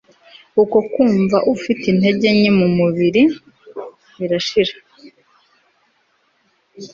uko kumva umubiri ufite intege nke birashira